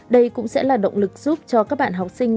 các sĩ tử cũng sẽ là động lực giúp cho các bạn học sinh